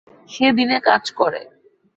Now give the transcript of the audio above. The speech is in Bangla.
সে দিনে কাজ করে।